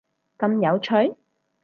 咁有趣？！